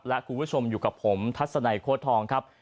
และคุณผู้ชมอยู่กับผมทัศนัยโค้ดทองครับ